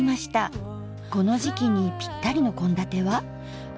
この時期にぴったりの献立は？